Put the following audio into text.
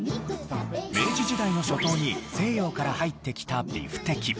明治時代の初頭に西洋から入ってきたビフテキ。